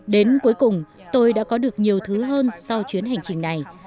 đến cuối cùng tôi đã có được nhiều thứ hơn sau chuyến hành trình này